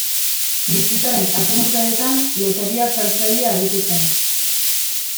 Bizitzaren azken urteetan loteria saltzaile aritu zen.